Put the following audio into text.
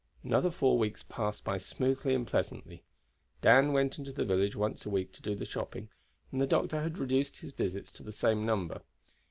Another four weeks passed by smoothly and pleasantly. Dan went into the village once a week to do the shopping, and the doctor had reduced his visits to the same number.